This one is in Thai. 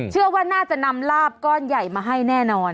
เชื่อว่าน่าจะนำลาบก้อนใหญ่มาให้แน่นอน